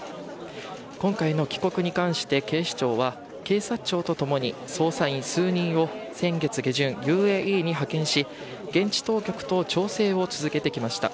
今回の帰国に関して、警視庁は警察庁とともに捜査員数人を先月下旬、ＵＡＥに派遣し現地当局と調整を続けてきました。